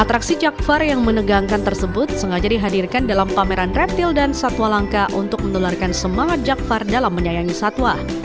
atraksi jakfar yang menegangkan tersebut sengaja dihadirkan dalam pameran reptil dan satwa langka untuk menularkan semangat jakfar dalam menyayangi satwa